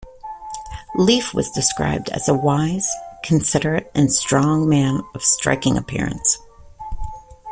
Leif was described as a wise, considerate, and strong man of striking appearance.